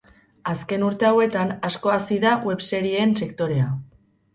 Azken urte hauetan, asko hazi da webserieen sektorea.